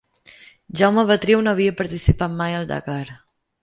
Jaume Betriu no havia participat mai al Dakar.